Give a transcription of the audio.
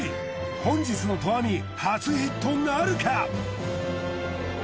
本日の投網初ヒットなるか！？